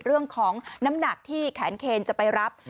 เรื่องของน้ำหนักที่แขนเคนจะไปรับ